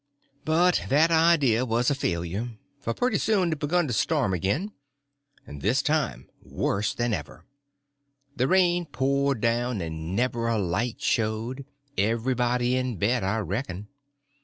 But that idea was a failure; for pretty soon it begun to storm again, and this time worse than ever. The rain poured down, and never a light showed; everybody in bed, I reckon.